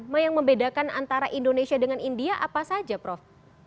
membedakan antara indonesia dengan india apa saja prof